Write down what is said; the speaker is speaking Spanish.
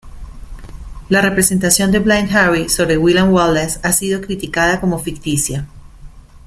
La representación de Blind Harry sobre William Wallace ha sido criticada como ficticia.